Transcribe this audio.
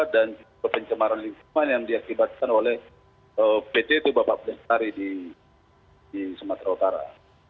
dan pencemaran lingkungan yang diakibatkan oleh pt toba pak pudengkari di sumatera utara